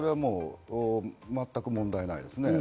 全く問題ないですね。